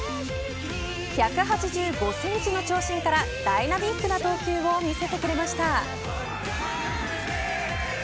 １８５センチの長身からダイナミックな投球を見せてくれました。